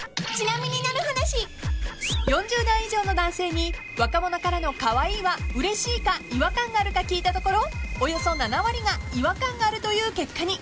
［４０代以上の男性に若者からの「カワイイ」はうれしいか違和感があるか聞いたところおよそ７割が違和感があるという結果に］